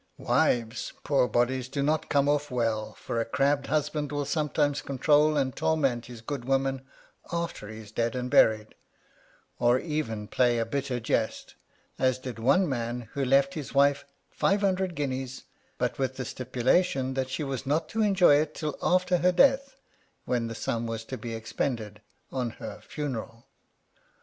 48 Strange Wills Wives, poor bodies ! do not come off well, for a crabbed husband will sometimes control and torment his good woman after he is dead and buried, or even play a bitter jest, as did one man, who left his wife 500 guineas, but with the stipulation that she was not to enjoy it till after her death, when the sum was to be expended on her funeral.